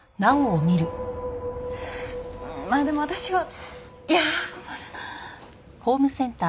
まあでも私はいや困るなあ。